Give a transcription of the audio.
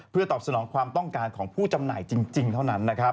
เพื่อตอบสนองความต้องการของผู้จำหน่ายจริงเท่านั้นนะครับ